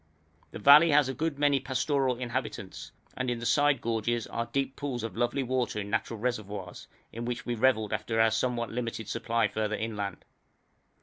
The valley has a good many pastoral inhabitants, and in the side gorges are deep pools of lovely water in natural reservoirs, in which we revelled after our somewhat limited supply further inland.